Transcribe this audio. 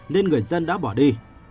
nên người dân đã bỏ đi